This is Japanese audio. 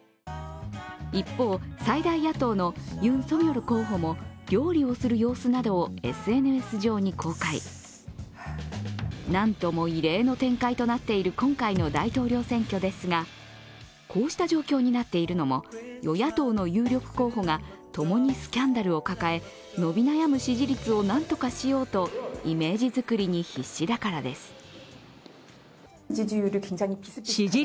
一方、最大野党のユン・ソギョル候補も料理をする様子などをＳＮＳ上に公開何とも異例の展開となっている今回の大統領選挙ですが、こうした状況になっているのも与野党の有力候補が共にスキャンダルを抱え、伸び悩む支持率を何とかしようとイメージ作りに必死だからです。